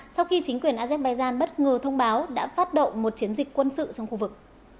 sau khi chính quyền azerbaijan bất ngờ thông báo đã phát động một chiến dịch quân sự trong khu vực